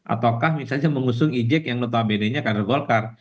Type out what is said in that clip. ataukah misalnya mengusung ejek yang notabene nya kader golkar